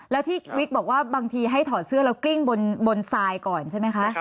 แล้วที่วิกบอกว่าบางทีให้ถอดเสื้อแล้วกลิ้งบนทรายก่อนใช่ไหมคะ